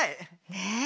ねえ。